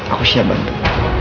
aku siap bantu